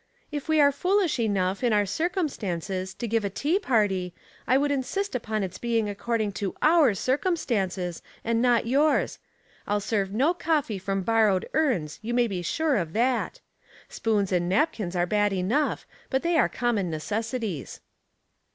" If we were foolish enough, in our cir cumstances, to give a tea party, I would insist upon its being according to o'nr circumstances, and not yours. I'll serve no coffee from bor rowed urns, you may be sure of that. Spoons and napkins are bad enough, but they are com mon necessities."